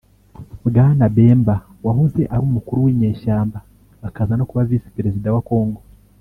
Bwana Bemba wahoze ari umukuru w’inyeshyamba akaza no kuba Visi-Perezida wa Kongo